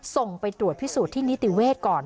ส่งไปตรวจพิสูจน์ที่นิติเวศก่อน